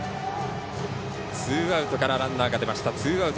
ツーアウトからランナーが出ました。